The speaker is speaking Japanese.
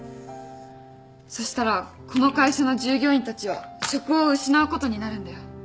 そしたらこの会社の従業員たちは職を失うことになるんだよ。